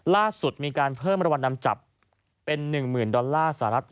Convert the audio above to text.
ล่าสุดมีการเพิ่มรางวัลนำจับเป็น๑๐๐๐ดอลลาร์สหรัฐ